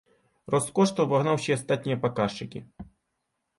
Рост коштаў абагнаў усе астатнія паказчыкі.